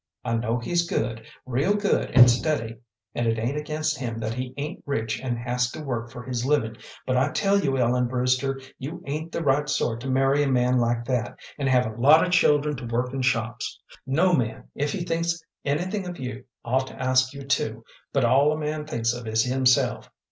I know he's good, real good and steady, and it ain't against him that he ain't rich and has to work for his living, but I tell you, Ellen Brewster, you ain't the right sort to marry a man like that, and have a lot of children to work in shops. No man, if he thinks anything of you, ought to ask you to; but all a man thinks of is himself.